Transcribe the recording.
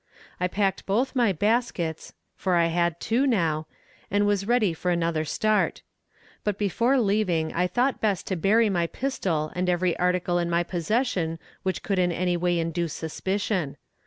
I packed both my baskets, for I had two now, and was ready for another start. But before leaving I thought best to bury my pistol and every article in my possession which could in any way induce suspicion.